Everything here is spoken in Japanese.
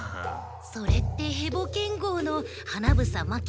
それってヘボ剣豪の花房牧之介。